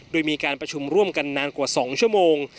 โดยมีการประชุมร่วมกันนานกว่า๒ชั่วโมง